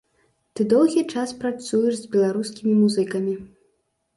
Ты доўгі час працуеш с беларускімі музыкамі.